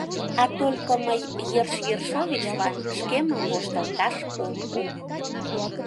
— А только мый Ерш Ершовичлан шкемым воштылташ ом пу...